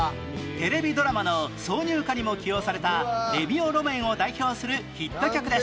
テレビドラマの挿入歌にも起用されたレミオロメンを代表するヒット曲です